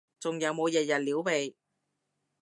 仲有冇日日撩鼻？